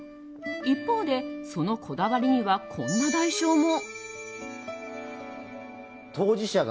一方で、そのこだわりにはこんな代償も。